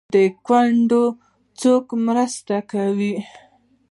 کونډه څوک مرسته کوي؟